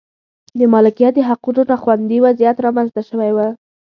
د مالکیت د حقونو نا خوندي وضعیت رامنځته شوی و.